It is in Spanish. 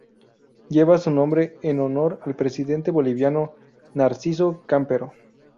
Lleva su nombre en honor al presidente boliviano Narciso Campero.